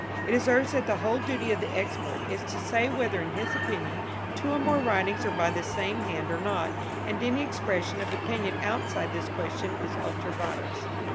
It is urged that the whole duty of the expert is to say whether in his opinion two or more writings are by the same hand or not, and any expression of opinion outside this question is ultra vires.